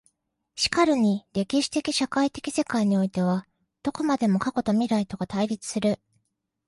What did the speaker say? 然るに歴史的社会的世界においてはどこまでも過去と未来とが対立する。